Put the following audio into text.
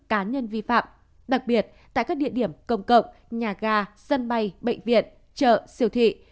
cá nhân vi phạm đặc biệt tại các địa điểm công cộng nhà ga sân bay bệnh viện chợ siêu thị